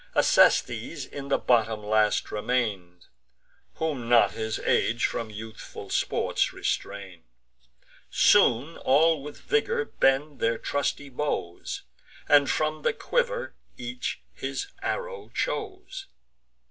Acestes in the bottom last remain'd, Whom not his age from youthful sports restrain'd. Soon all with vigour bend their trusty bows, And from the quiver each his arrow chose.